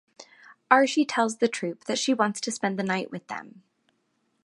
Arshi tells the troupe that she wants to spend the night with them.